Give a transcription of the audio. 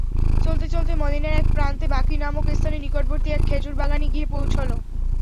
চলতে চলতে মদীনার এক প্রান্তে বাকী নামক স্থানের নিকটবর্তী এক খেজুর বাগানে গিয়ে পৌঁছল।